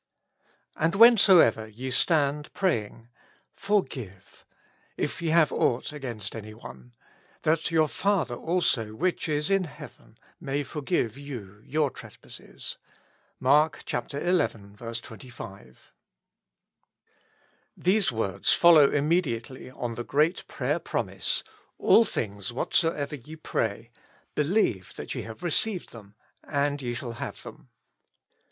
And whensoever ye stand praying, forgive^ ^f y^ have aught against any one ; that your Father also which is in heaven may forgive you your trespasses. — MARK xi. 25. THESE words follow immediately on the great prayer promise, "All things whatsoever ye pray, believe that ye have received them, and ye shall have them."